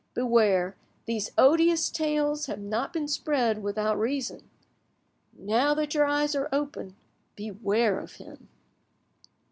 Beware, these odious tales have not been spread without a reason. Now that your eyes are open, beware of him."